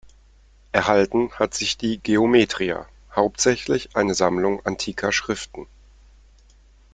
Erhalten hat sich die "Geometria", hauptsächlich eine Sammlung antiker Schriften.